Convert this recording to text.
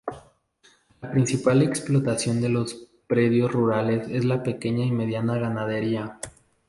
La principal explotación de los predios rurales es la pequeña y mediana ganadería.